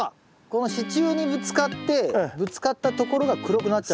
この支柱にぶつかってぶつかったところが黒くなっちゃった。